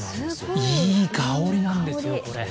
いい香りなんですよ、これ。